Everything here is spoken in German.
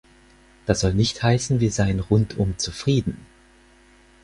Das soll nicht heißen, wir seien rundum zufrieden.